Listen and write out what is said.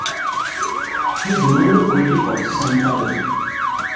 He is a notable critic of Scientology.